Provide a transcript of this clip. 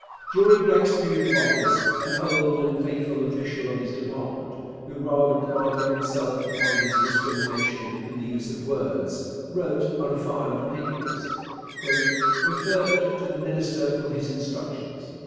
During Blake's period of office an old and faithful official of his department, who rather prided himself upon his discrimination in the use of words, wrote on a file of papers, 'Referred to the Minister for his instructions.'